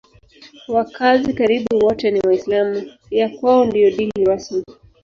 Wakazi karibu wote ni Waislamu; ya kwao ndiyo dini rasmi.